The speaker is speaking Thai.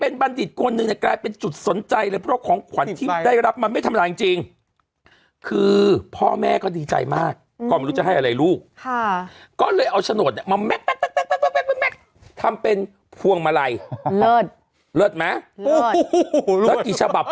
นี่ไว้ชะโนดอะไรอ่ะชะโนดให้ชะโนดเลยอ่ะชะโนดโหพี่ใบนั่น